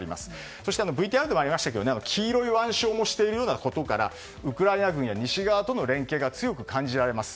そして、ＶＴＲでもありましたが黄色い腕章をしていることからウクライナや西側との連携が強く感じられます。